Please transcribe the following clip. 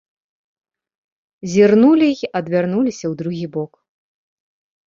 Зірнулі й адвярнуліся ў другі бок.